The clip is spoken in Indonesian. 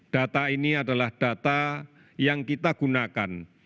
data ini adalah data yang kita gunakan